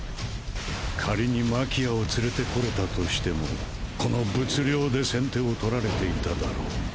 仮にマキアを連れて来れたとしてもこの物量で先手を取られていただろう。